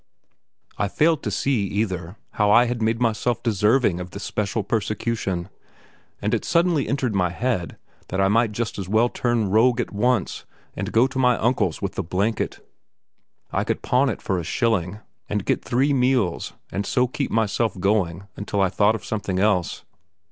I failed to see either how I had made myself deserving of this special persecution; and it suddenly entered my head that I might just as well turn rogue at once and go to my "Uncle's" with the blanket. I could pawn it for a shilling, and get three full meals, and so keep myself going until I thought of something else.